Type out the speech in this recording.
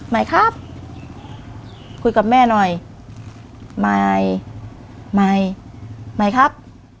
ไม่ครับคุยกับแม่หน่อยไม่ไม่ไม่ครับ